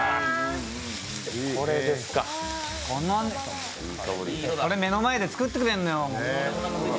これ目の前で作ってくれるのよ。